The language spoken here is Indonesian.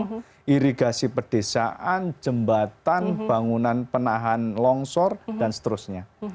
curiga di pedesaan jembatan bangunan pernahan longsor dan seterusnya